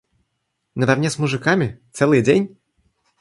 Наравне с мужиками, целый день?